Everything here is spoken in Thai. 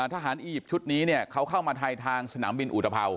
ทหารอียิปต์ชุดนี้เขาเข้ามาถ่ายทางสนามบินอูตเผา